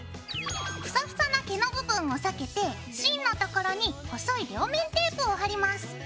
ふさふさな毛の部分を避けて芯の所に細い両面テープを貼ります。